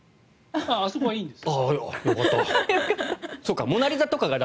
あそこはいいんです。